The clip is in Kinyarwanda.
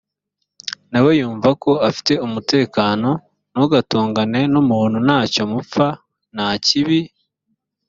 nawe yumva ko afite umutekano. ntugatongane n’umuntu nta cyo mupfa, nta kibi